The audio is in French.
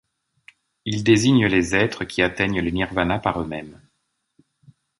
Il désigne les êtres qui atteignent le nirvana par eux-mêmes.